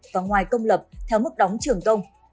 và ngoài công lập theo mức đóng trường công